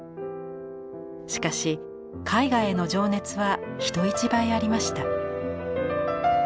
しかし絵画への情熱は人一倍ありました。